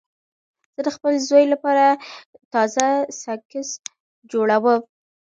زه د خپل زوی لپاره تازه سنکس جوړوم.